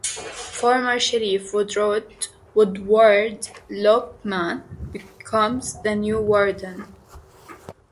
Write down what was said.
Former sheriff Woodward Lopeman becomes the new warden.